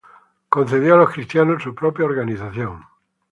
Concedió a los cristianos su propia organización.